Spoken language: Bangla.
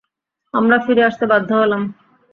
আমরা ফিরে আসতে বাধ্য হলাম।